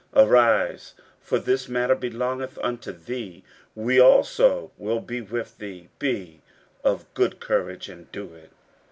15:010:004 Arise; for this matter belongeth unto thee: we also will be with thee: be of good courage, and do it.